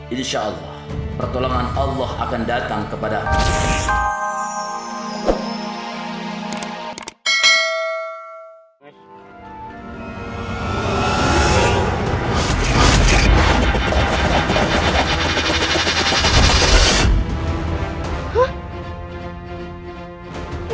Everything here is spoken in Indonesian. insya allah pertolongan allah akan datang kepada kamu